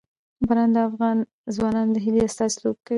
باران د افغان ځوانانو د هیلو استازیتوب کوي.